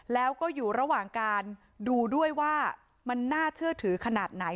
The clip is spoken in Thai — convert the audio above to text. แล้วก็อยู่ระหว่างการดูด้วยว่ามันน่าเชื่อถือขนาดไหน